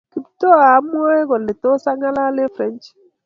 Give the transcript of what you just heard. Kiptooa amwai kole to angalal eng French